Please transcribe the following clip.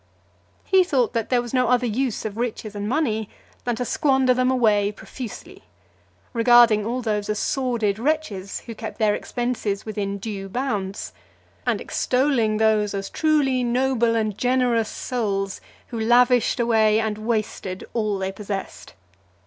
XXX. He thought there was no other use of riches and money than to squander them away profusely; regarding all those as sordid wretches who kept their expenses within due bounds; and extolling those as truly noble and generous souls, who lavished away and wasted all they possessed.